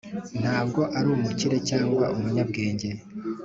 ntabwo ari umukire cyangwa umunyabwenge,